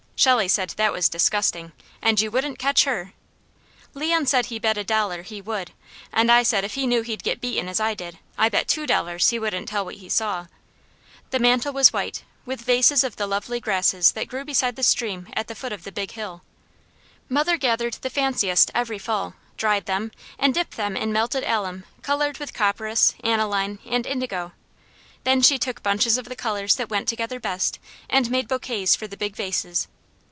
Shelley said that was disgusting, and you wouldn't catch her. Leon said he bet a dollar he would; and I said if he knew he'd get beaten as I did, I bet two dollars he wouldn't tell what he saw. The mantel was white, with vases of the lovely grasses that grew beside the stream at the foot of the Big Hill. Mother gathered the fanciest every fall, dried them, and dipped them in melted alum coloured with copperas, aniline, and indigo. Then she took bunches of the colours that went together best and made bouquets for the big vases.